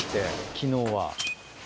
昨日は。